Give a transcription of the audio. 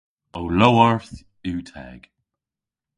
Ow lowarth yw teg.